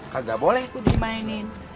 kagak boleh tuh dimainkan